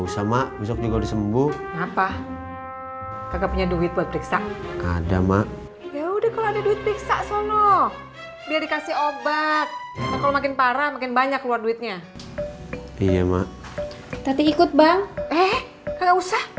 sampai jumpa di video selanjutnya